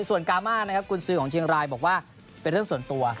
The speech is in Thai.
ส่วนกามานะครับกุญสือของเชียงรายบอกว่าเป็นเรื่องส่วนตัว